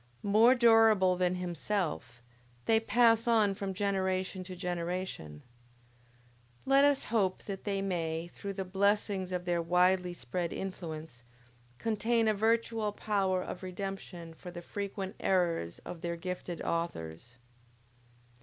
More durable than himself, they pass on from generation to generation; let us hope that they may, through the blessings of their widely spread influence, contain a virtual power of redemption for the frequent errors of their gifted authors.